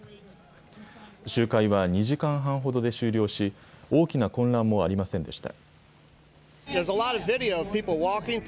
集会は２時間半ほどで終了し、大きな混乱もありませんでした。